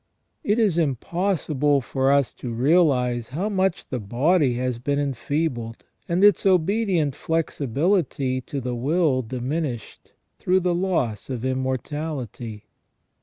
It is impossible for us to realise how much the body has been enfeebled, and its obedient flexibility to the will diminished, through the loss of immortality.